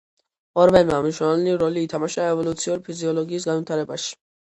ორბელმა მნიშვნელოვანი როლი ითამაშა ევოლუციური ფიზიოლოგიის განვითარებაში.